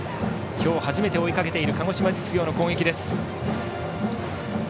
今日初めて追いかけている鹿児島実業の攻撃です。